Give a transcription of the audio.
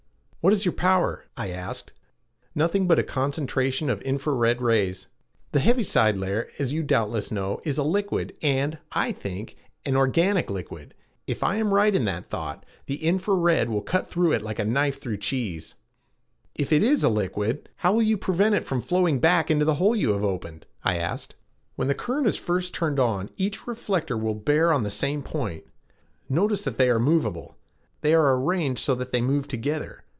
"What is your power?" I asked. "Nothing but a concentration of infra red rays. The heaviside layer, as you doubtless know, is a liquid and, I think, an organic liquid. If I am right in that thought, the infra red will cut through it like a knife through cheese." "If it is a liquid, how will you prevent it from flowing back into the hole you have opened?" I asked. "When the current is first turned on, each reflector will bear on the same point. Notice that they are moveable. They are arranged so that they move together.